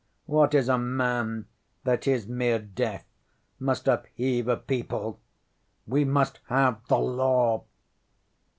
What is a man that his mere death must upheave a people? We must have the Law.